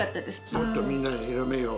もっとみんなに広めよう。